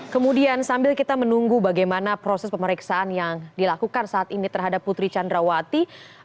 kemudian sambil kita menunggu bagaimana proses pemeriksaan yang dilakukan saat ini terhadap putri candrawati